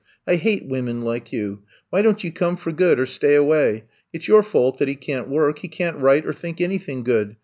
I hate women like you! Why don't you come for good or stay away? It 's your fault that he can't work. He can't write or think anything good.